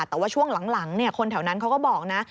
แต่ว่าช่วงหลังคนแถวนั้นเขาก็บอกนะ